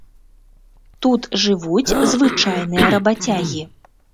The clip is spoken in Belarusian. Тут жывуць звычайныя рабацягі.